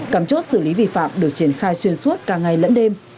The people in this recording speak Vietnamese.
cảm chốt xử lý vi phạm được triển khai xuyên suốt cả ngày lẫn đêm